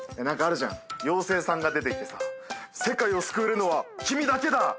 なんかあるじゃん妖精さんが出てきてさ世界を救えるのはキミだけだ！